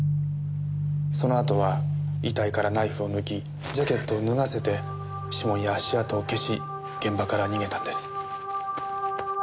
そのあとは遺体からナイフを抜きジャケットを脱がせて指紋や足跡を消し現場から逃げたんです。